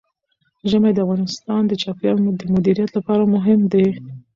ژمی د افغانستان د چاپیریال د مدیریت لپاره مهم دي.